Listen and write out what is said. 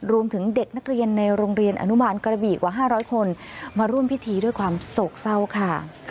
รวมถึงเด็กนักเรียนในโรงเรียนอนุมานกระบี่กว่า๕๐๐คนมาร่วมพิธีด้วยความโศกเศร้าค่ะ